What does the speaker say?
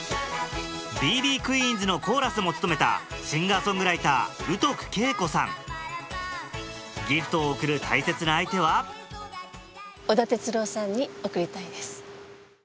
Ｂ．Ｂ．クィーンズのコーラスも務めたギフトを贈る大切な相手は織田哲郎さんに贈りたいです。